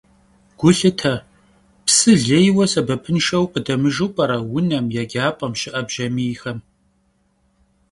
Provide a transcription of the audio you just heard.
Gu lhıte, psı lêyue, sebepınşşeu khıdemıjju p'ere vunem, yêcap'em şı'e bjamiyxem.